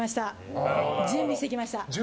準備してきました。